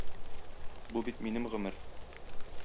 Бу бит минем гомер.